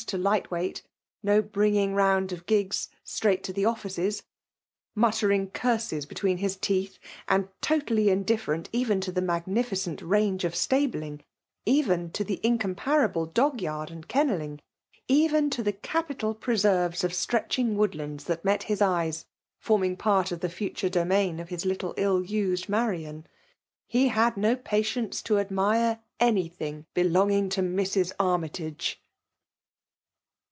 to lightweight, no bringing round of gigs; straight to the offices ; muttering curses be tween his teeth, and totally indifferent even to the magnificent range of stabling ; even to the incomparable dog yard and kennelling; even to the capital preserves and stretching wood lands that met his eyes, forming part of the fixture domains of his dear little ill used Ma rian. He had no patience to admire anything belonging to Mrs. Armytage